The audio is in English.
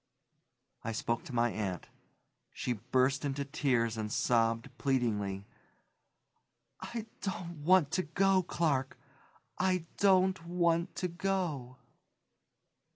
I spoke to my aunt. She burst into tears and sobbed pleadingly. "I don't want to go, Clark, I don't want to go!"